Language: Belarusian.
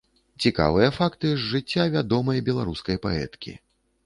Цікавыя факты з жыцця вядомай беларускай паэткі.